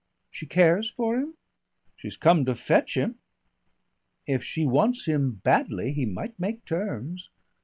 "She cares for him?" "She's come to fetch him." "If she wants him badly he might make terms.